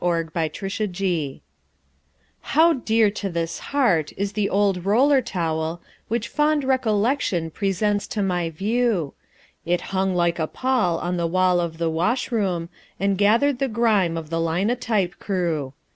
THE OLD ROLLER TOWEL How dear to this heart is the old roller towel Which fond recollection presents to my view. It hung like a pall on the wall of the washroom, And gathered the grime of the linotype crew.